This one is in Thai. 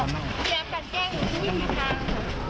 เตรียมการแกล้งทุกวิถีทาง